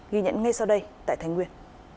ghi nhận ngay sau đây tại thái nguyên